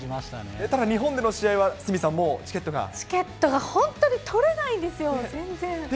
ただ、日本での試合は、チケットが本当に取れないんですよ、全然。